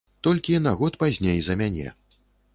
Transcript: Толькі на год пазней за мяне.